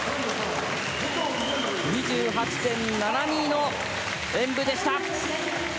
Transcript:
２８．７２の演武でした。